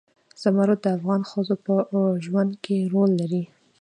زمرد د افغان ښځو په ژوند کې رول لري.